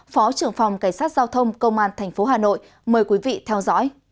phó trưởng phòng cảnh sát giao thông công an tp hà nội mời quý vị theo dõi